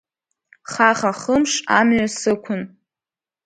Хаха-хымш амҩа сықәын.